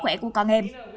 khỏe của con em